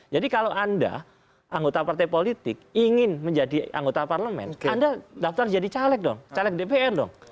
jadi kalau anda anggota partai politik ingin menjadi anggota parlemen anda daftar jadi caleg dong caleg dpr dong